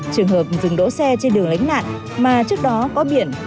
trường hợp dừng đỗ xe trên đường lánh nạn mà trước đó có biển